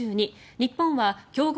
日本は強豪